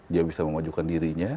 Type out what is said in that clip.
dia bisa memajukan dirinya